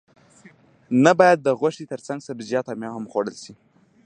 نه باید د غوښې ترڅنګ سبزیجات او میوه هم وخوړل شي